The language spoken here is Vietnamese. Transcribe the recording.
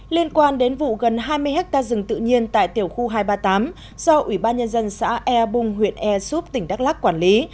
liên quan đến vụ gần hai mươi ha rừng tự nhiên tại tiểu khu hai trăm ba mươi tám do ủy ban nhân dân xã ea bung huyện ea súp tỉnh đắk lắc quản lý